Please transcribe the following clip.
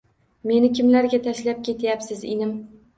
Meni kimlarga tashlab ketayapsiz, inim?